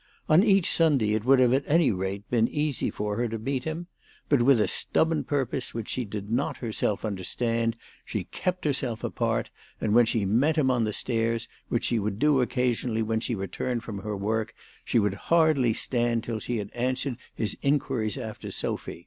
On each Sunday it would at any rate have been easy for her to meet him ; but with a stubborn purpose which she did not herself understand she kept herself apart, and when she met him on the stairs, which she would do occasionally when she returned from her work, she would hardly stand till she had answered his inquiries after Sophy.